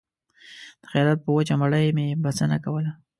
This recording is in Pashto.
د خیرات په وچه مړۍ مې بسنه کوله